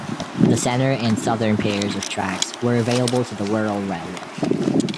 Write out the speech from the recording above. The centre and southern pairs of tracks were available to the Wirral Railway.